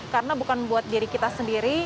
karena bukan buat diri kita sendiri